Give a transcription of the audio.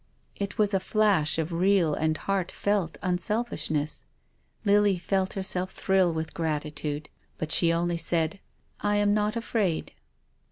It was a flash of real and heartfelt unselfishness. Lily felt herself thrill with gratitude. But she only said :" I am not afraid."